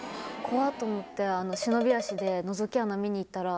「怖っ」と思って忍び足でのぞき穴見に行ったら。